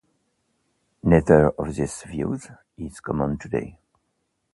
Neither of these views is common today.